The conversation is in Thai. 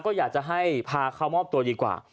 ก็อยากจะให้พาเขามอบตัวดีกว่า